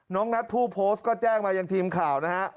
น้องนัทผู้โพสต์ก็แจ้งมายังทีมข่าวนะฮะ